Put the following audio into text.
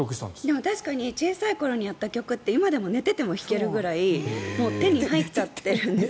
でも、確かに小さい時にやった曲って今でも寝ていても弾けるくらい手に入っちゃったんです。